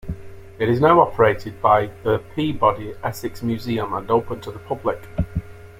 It is now operated by the Peabody Essex Museum and open to the public.